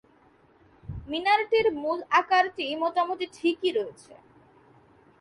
মিনারটির মূল আকারটি মোটামুটি ঠিকই রয়েছে।